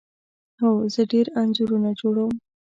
هو، زه ډیر انځورونه جوړوم